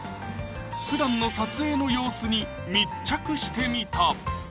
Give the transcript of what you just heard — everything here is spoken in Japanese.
ふだんの撮影の様子に密着してみた